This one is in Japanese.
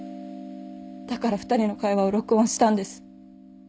だから２人の会話を録音したんです。